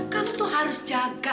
kamu tuh harus jaga